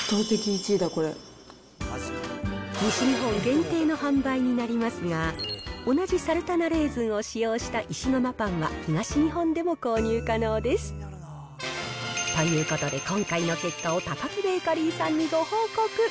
西日本限定の販売になりますが、同じサルタナレーズンを使用した石窯パンは、東日本でも購入可能です。ということで今回の結果をタカキベーカリーさんにご報告。